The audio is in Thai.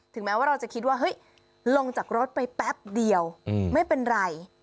แม้ว่าเราจะคิดว่าเฮ้ยลงจากรถไปแป๊บเดียวไม่เป็นไร